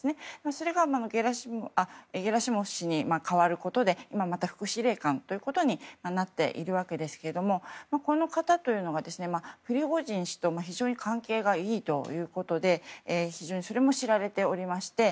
それが、ゲラシモフ氏に代わることで今また副司令官ということになっているわけですがこの方というのはプリゴジン氏と非常に関係がいいということでそれも知られておりまして。